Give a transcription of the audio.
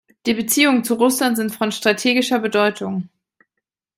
Die Beziehungen zu Russland sind von strategischer Bedeutung.